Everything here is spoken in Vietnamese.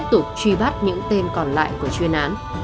tuy bắt những tên còn lại của chuyên án